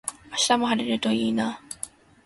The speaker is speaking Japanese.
明日も晴れるといいな。